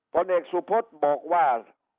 ผลเอกสุพธบอกว่า